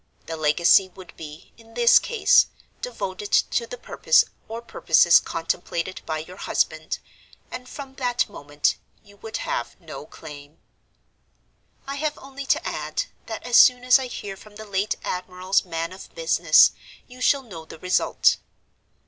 The legacy would be, in this case, devoted to the purpose or purposes contemplated by your husband—and, from that moment, you would have no claim. "I have only to add, that as soon as I hear from the late admiral's man of business, you shall know the result.